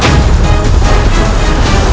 aku akan menangkapmu